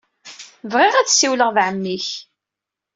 Bɣiɣ ad ssiwleɣ ed ɛemmi-k.